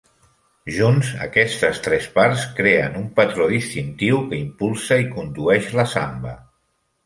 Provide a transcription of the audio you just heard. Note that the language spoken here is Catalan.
Junts, aquestes tres parts creen un patró distintiu que impulsa i condueix la samba.